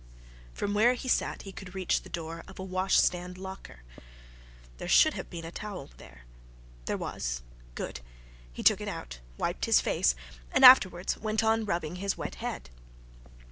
From where he sat he could reach the door of a washstand locker. There should have been a towel there. There was. Good. ... He took it out, wiped his face, and afterwards went on rubbing his wet head.